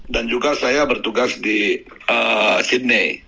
dan juga saya bertugas di sydney